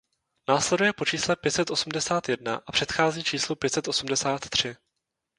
Následuje po čísle pět set osmdesát jedna a předchází číslu pět set osmdesát tři.